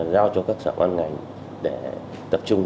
giao cho các sở quan ngành để tập trung